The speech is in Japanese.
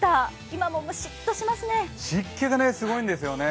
今もムシッとしますね。